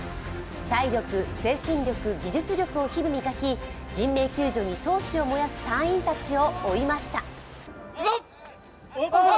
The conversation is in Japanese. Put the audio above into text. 体力、精神力、技術力を日々磨き、人命救助に闘志を燃やす隊員たちを追いました。